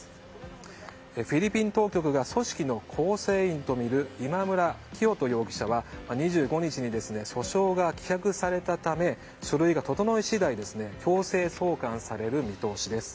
フィリピン当局が組織の構成員とみる今村磨人容疑者は２５日に訴訟が棄却されたため書類が整い次第強制送還される見通しです。